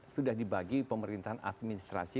sudah dibagi pemerintahan administrasi